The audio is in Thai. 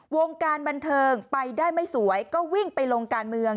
วงการบันเทิงไปได้ไม่สวยก็วิ่งไปลงการเมือง